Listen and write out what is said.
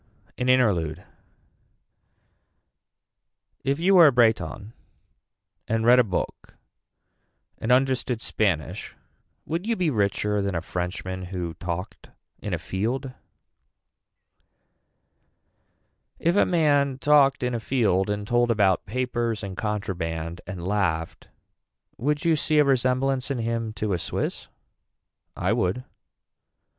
An interlude. If you were a Breton and read a book and understood Spanish would you be richer than a frenchman who talked in a field. If a man talked in a field and told about papers and contraband and laughed would you see a resemblance in him to a Swiss. I would.